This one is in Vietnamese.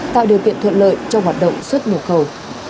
tạo điều kiện thuận lợi cho hoạt động xuất nhập khẩu